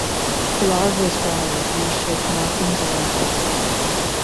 The larva is brown with v-shaped markings along the back.